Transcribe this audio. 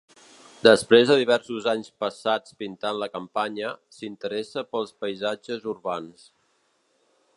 Després de diversos anys passats pintant la campanya, s'interessa pels paisatges urbans.